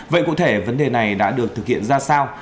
vậy cụ thể vấn đề này đã được thực hiện ra sao